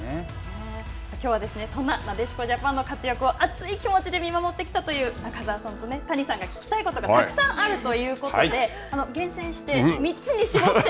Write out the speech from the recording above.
きょうはそんな、なでしこジャパンの活躍を熱い気持ちで見守ってきたという中澤さんと谷さんが聞きたいことがたくさんあるということで、厳選して、３つに絞って。